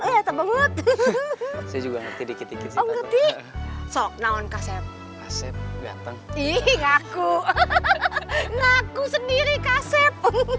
oh ya tak banget juga nanti dikit dikit sop naon kaset kaset ngaku ngaku sendiri kaset